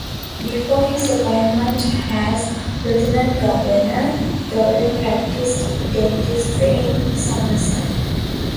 Before his appointment as Lieutenant-Governor, Doiron practiced dentistry in Summerside.